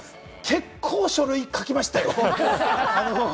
結構、書類は書きましたよ。